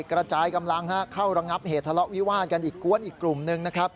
กระจายกำลังเข้าระงับเหตุทะเลาะวิวาดกันอีกกวนอีกกลุ่มหนึ่งนะครับ